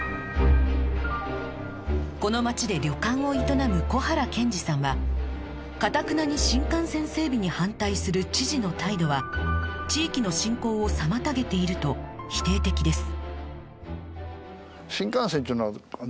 この町で旅館を営む小原健史さんはかたくなに新幹線整備に反対する知事の態度は地域の振興を妨げていると否定的です